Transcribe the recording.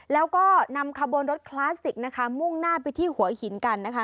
แล้วก็นำขบวนรถคลาสสิกนะคะมุ่งหน้าไปที่หัวหินกันนะคะ